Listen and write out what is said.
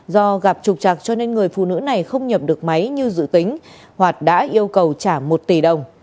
do gặp trục trạc cho nên người phụ nữ này không nhập được máy như dự tính hoạt đã yêu cầu trả một tỷ đồng